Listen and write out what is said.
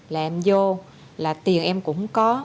là em vô là tiền em cũng có